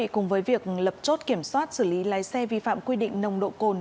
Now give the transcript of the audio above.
cùng với việc lập chốt kiểm soát xử lý lái xe vi phạm quy định nồng độ cồn